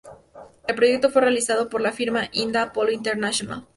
El proyecto fue realizado por la firma india Apollo International.